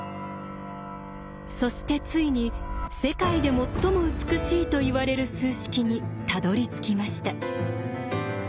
そしてついに世界で最も美しいといわれる数式にたどりつきました。